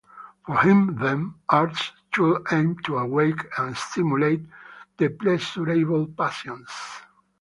For him, then, art should aim to awake and stimulate the pleasurable passions.